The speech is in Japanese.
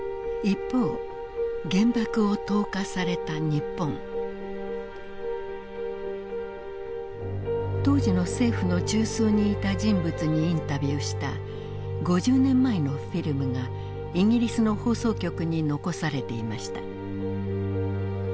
一方当時の政府の中枢にいた人物にインタビューした５０年前のフィルムがイギリスの放送局に残されていました。